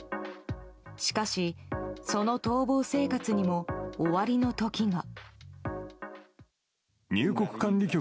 しかし、その逃亡生活にも終わりの時が。